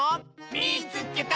「みいつけた！」。